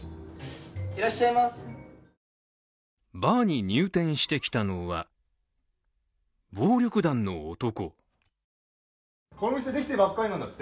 バーに入店してきたのは、暴力団の男。